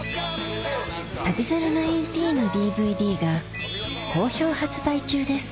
『旅猿１９』のＤＶＤが好評発売中です